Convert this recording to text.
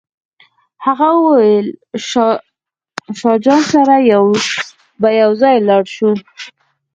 هغه وویل له شاه جان سره به یو ځای ولاړ شو.